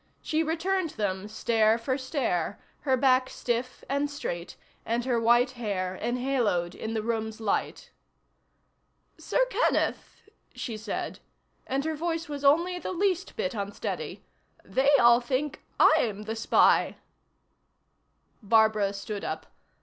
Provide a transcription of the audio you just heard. She returned them stare for stare, her back stiff and straight and her white hair enhaloed in the room's light. "Sir Kenneth," she said and her voice was only the least bit unsteady "they all think I'm the spy." Barbara stood up.